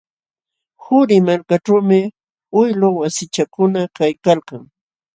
Qurimarkaćhuumi uylu wasichakuna kaykalkan.